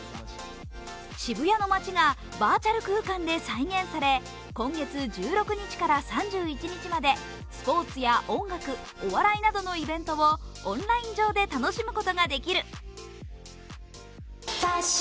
渋谷の街がバーチャル空間で再現され今月１６日から３１日まで、スポーツや音楽、お笑いなどのイベントをオンライン上で楽しむことができる。